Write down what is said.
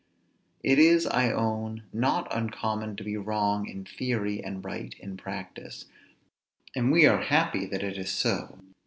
It is, I own, not uncommon to be wrong in theory, and right in practice: and we are happy that it is so.